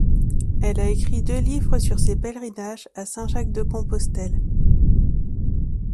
Elle a écrit deux livres sur ses pèlerinage à Saint-Jacques de Compostelle.